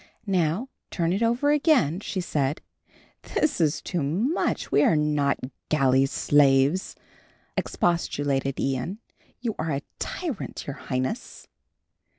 "Now turn it over again," she said. "This is too much, we are not galley slaves," expostulated Ian. "You are a tyrant, Your Highness."